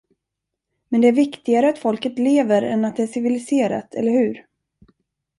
Men det är viktigare att folket lever än att det är civiliserat, eller hur?